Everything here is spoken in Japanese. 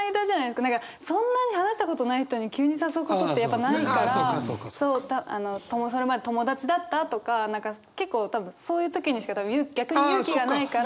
そんなに話したことない人に急に誘うことってやっぱないからそれまで友達だったとか何か結構そういう時にしか逆に勇気がないから誘えなくて。